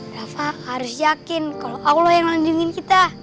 rafa harus yakin kalau allah yang nganjungin kita